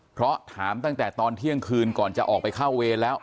เพราะถามตั้งแต่ตอนเที่ยงคืนก่อนจะออกไปเข้าเวรแล้ว